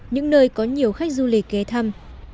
những nơi có nhiều khách du lịch ghé thăm